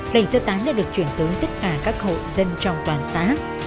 lệnh sơ tán đã được chuyển tới tất cả các hộ dân trong toàn xã